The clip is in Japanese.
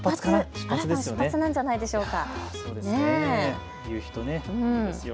出発なんじゃないでしょうか。